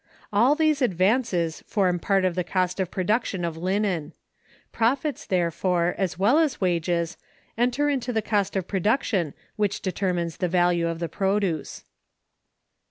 All these advances form part of the cost of production of linen. Profits, therefore, as well as wages, enter into the cost of production which determines the value of the produce.